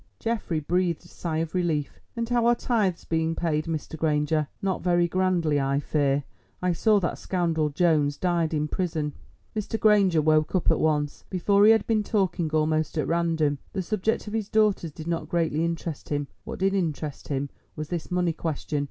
Geoffrey breathed a sigh of relief. "And how are tithes being paid, Mr. Granger? not very grandly, I fear. I saw that scoundrel Jones died in prison." Mr. Granger woke up at once. Before he had been talking almost at random; the subject of his daughters did not greatly interest him. What did interest him was this money question.